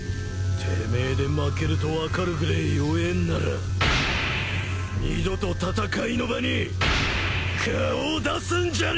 てめえで負けると分かるぐれえ弱えんなら二度と戦いの場に顔を出すんじゃねえ！